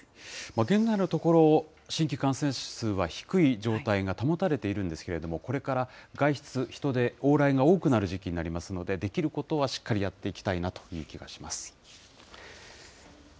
現在のところ、新規感染者数は低い状態が保たれているんですけれども、これから外出、人出、往来が多くなる時期になりますので、できることはしっかりやっていきたいなという気がします。